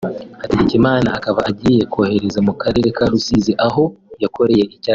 Hategekimana akaba agiye koherezwa mu karere ka Rusizi aho yakoreye icyaha